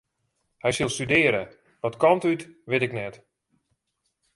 Hy sil studearje, wat kant út wit ik net.